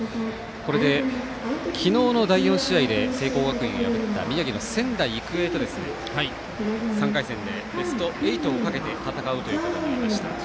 昨日の第４試合で聖光学院を破った宮城の仙台育英と３回戦でベスト８をかけて戦うということになりました。